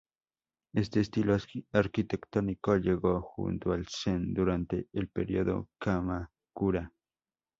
Este estilo arquitectónico llegó junto al Zen durante el período Kamakura.